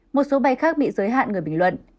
một số bay khác bị giới hạn người bình luận